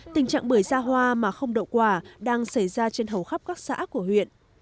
tình trạng bưởi da hoa mà không đậu quả đang xảy ra trên hầu khắp các xã của huyện